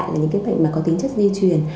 là những cái bệnh mà có tính chất di truyền